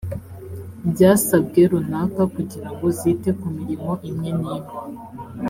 byasabwe runaka kugira ngo zite ku mirimo imwe n imwe